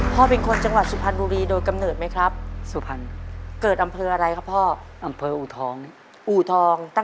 พ่อบินคนจังหวัดสุพรรณบุรีโดยกำเนิดมั้ยครับยังไม่รู้สิ่งที่พ่อว่าพ่อนิตคุณต้องไปดีกว่า